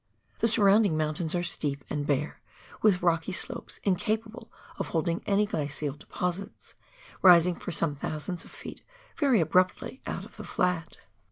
The surrounding mountains are steep and bare, with rocky slopes, incapable of holding any glacial deposits, rising for some thousands of feet very abruptly out of the flat.